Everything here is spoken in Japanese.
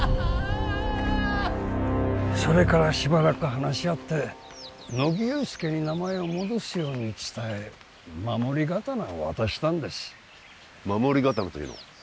それからしばらく話し合って乃木憂助に名前を戻すように伝え守り刀を渡したんです守り刀というのは？